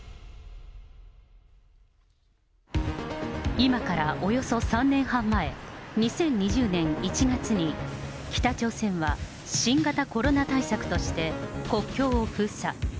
今からおよそ３年半前、２０２０年１月に北朝鮮は新型コロナ対策として国境を封鎖。